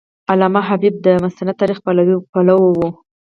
علامه حبیبي د مستند تاریخ پلوی و.